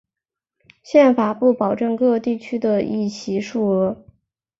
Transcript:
宪法不保证各地区的议席数额。